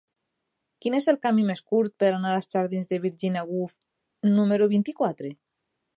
Quin és el camí més curt per anar als jardins de Virginia Woolf número vint-i-quatre?